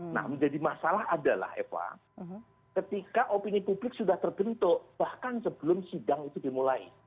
nah menjadi masalah adalah eva ketika opini publik sudah terbentuk bahkan sebelum sidang itu dimulai